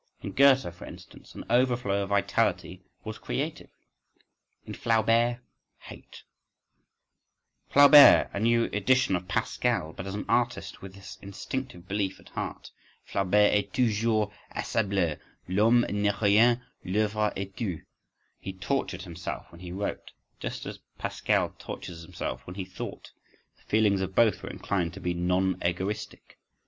In Goethe, for instance, an overflow of vitality was creative, in Flaubert—hate: Flaubert, a new edition of Pascal, but as an artist with this instinctive belief at heart: "Flaubert est toujours haissable, l'homme n'est rien, l'œuvre est tout".… He tortured himself when he wrote, just as Pascal tortured himself when he thought—the feelings of both were inclined to be "non egoistic."